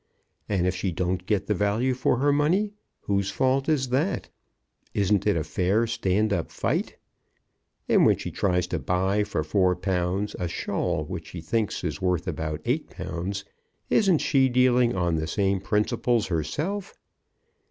And if she don't get the value for her money, whose fault is that? Isn't it a fair stand up fight? And when she tries to buy for 4_l._, a shawl which she thinks is worth about 8_l._, isn't she dealing on the same principles herself?